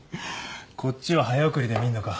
こっちは早送りで見んのか。